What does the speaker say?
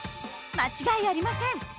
間違いありません。